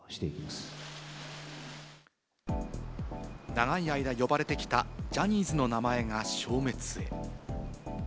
長い間呼ばれてきたジャニーズの名前が消滅へ。